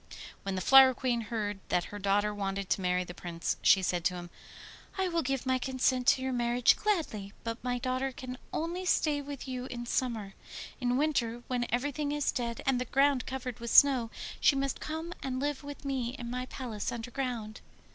When the Flower Queen heard that her daughter wanted to marry the Prince, she said to him: 'I will give my consent to your marriage gladly, but my daughter can only stay with you in summer. In winter, when everything is dead and the ground covered with snow, she must come and live with me in my palace underground.